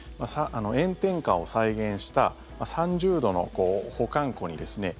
炎天下を再現した３０度の保管庫にですね